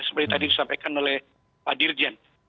seperti tadi disampaikan oleh pak dirjen